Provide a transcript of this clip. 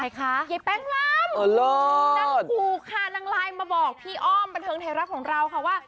ยายแป้นลำนางถูกค่ะนางไลน์มาบอกพี่อ้อมบันเทิงไทยรัฐของเราค่ะว่า